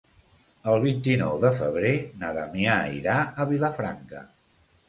El vint-i-nou de febrer na Damià irà a Vilafranca.